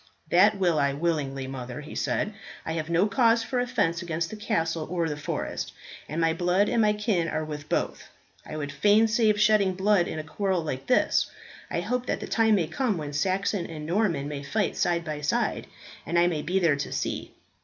"That will I willingly, mother," he said. "I have no cause for offence against the castle or the forest, and my blood and my kin are with both. I would fain save shedding of blood in a quarrel like this. I hope that the time may come when Saxon and Norman may fight side by side, and I maybe there to see."